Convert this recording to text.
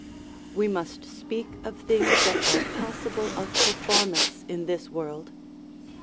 We must speak of things that are possible of per formance in this world.